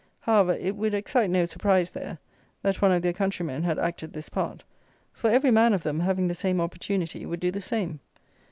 However, it would excite no surprise there, that one of their countrymen had acted this part; for every man of them, having the same opportunity, would do the same.